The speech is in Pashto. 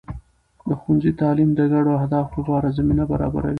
د ښوونځي تعلیم د ګډو اهدافو لپاره زمینه برابروي.